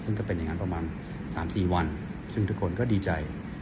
ซึ่งก็เป็นอย่างนั้นประมาณ๓๔วันซึ่งทุกคนก็ดีใจ